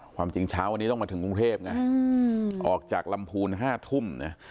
อ๋อความจริงเช้าต้องมาถึงกรุงเทพอืมออกจากลำพูลห้าทุ่มเนี้ย